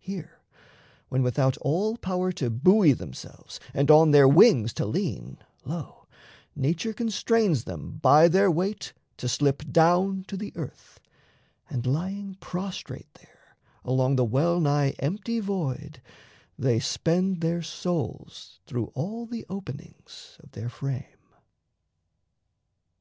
Here, when without all power To buoy themselves and on their wings to lean, Lo, nature constrains them by their weight to slip Down to the earth, and lying prostrate there Along the well nigh empty void, they spend Their souls through all the openings of their frame.